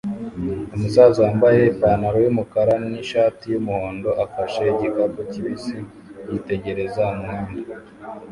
Umusaza wambaye ipantaro yumukara nishati yumuhondo afashe igikapu kibisi yitegereza umuhanda